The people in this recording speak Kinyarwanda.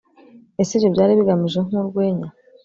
ese ibyo byari bigamije nkurwenya